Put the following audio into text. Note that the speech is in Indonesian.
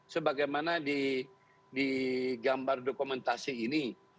sebagaimana di gambar dokumentasi ini